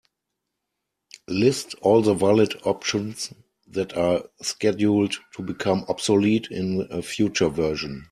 List all the valid options that are scheduled to become obsolete in a future version.